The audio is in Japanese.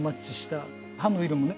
葉の色もね